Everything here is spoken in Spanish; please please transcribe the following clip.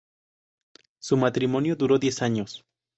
Su matrimonio duró diez años.